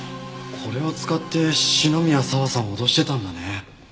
これを使って篠宮佐和さんを脅してたんだね。